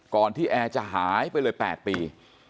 ก่อนที่แอร์จะหายไปเลย๘ปี